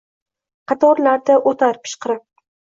Qatorlarda oʼtar pishqirib.